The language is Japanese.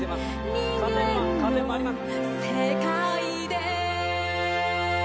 加点もあります。